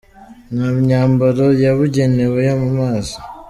Nta myambaro yabugenewe yo mu mazi.